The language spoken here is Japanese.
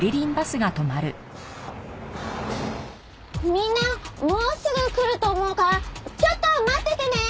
みんなもうすぐ来ると思うからちょっと待っててね！